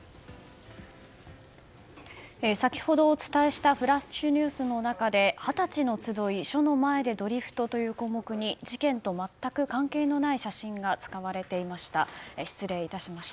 先ほどお伝えしたフラッシュニュースの中で二十歳の集い署の前でドリフトという項目に事件と全く関係のない写真が使われていました。